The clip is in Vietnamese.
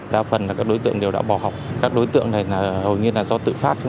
đa phần là các đối tượng đều đã bỏ học các đối tượng này hầu như là do tự phát